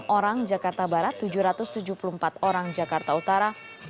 lima ratus empat puluh enam orang di jakarta barat tujuh ratus tujuh puluh empat orang di jakarta utara